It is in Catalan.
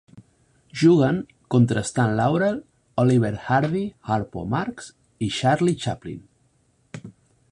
Juguen contra Stan Laurel, Oliver Hardy, Harpo Marx, i Charlie Chaplin.